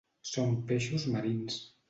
Són peixos marins.